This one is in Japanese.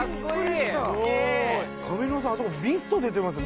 上沼さんあそこミスト出てますよ！